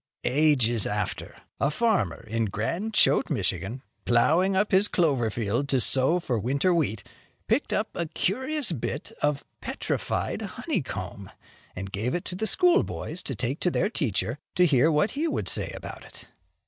Ages after, a farmer in Grand Chote, Michigan, plowing up his clover field, to sow for winter wheat, picked up a curious bit of "petrified honeycomb," and gave it to the schoolboys to take to their teacher, to hear what he would say about it.